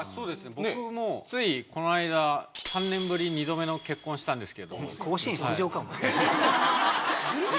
僕もついこの間３年ぶり２度目の結婚したんですけど何だそれ・甲子園